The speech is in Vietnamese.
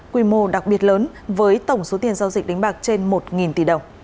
quy mô đặc biệt lớn với tổng số tiền giao dịch đánh bạc trên một tỷ đồng